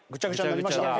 なりました。